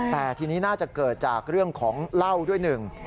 แต่ทีนี้น่าจะเกิดจากเรื่องของเหล้าด้วยหนึ่ง